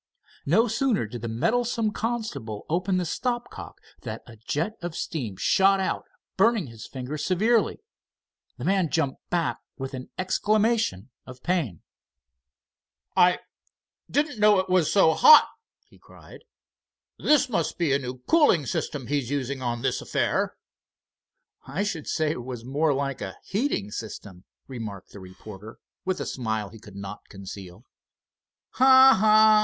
No sooner did the meddlesome constable open the stop cock that a jet of steam shot out, burning his fingers severely. The man jumped back with an exclamation of pain. "I—I didn't know it was so hot!" he cried. "This must be a new cooling system he's using on this affair." "I should say it was more like a heating system," remarked the reporter, with a smile he could not conceal. "Ha! Ha!